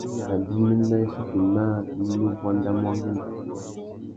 Abimî nà issutu naā nu buandamú angüêndô abà.